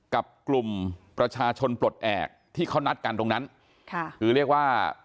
กับกลุ่มประชาชนปลดแอบที่เขานัดกันตรงนั้นค่ะคือเรียกว่า